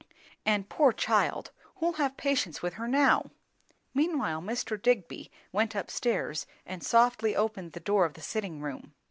And poor child! who'll have patience with her now?" Meanwhile Mr. Digby went up stairs and softly opened the door of the sitting room.